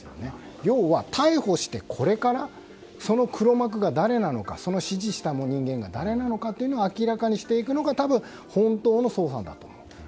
要は、逮捕してこれから黒幕が誰なのかその指示した人間が誰なのかというのを明らかにしていくのが多分、本当の捜査だと思うんです。